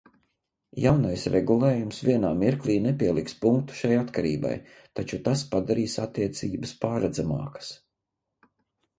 Jaunais regulējums vienā mirklī nepieliks punktu šai atkarībai, taču tas padarīs attiecības pārredzamākas.